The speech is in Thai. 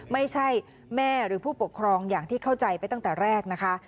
ไม่ใช่แม่หรือผู้ปกครองอย่างที่เข้าใจไปตั้งแต่แรกนะคะ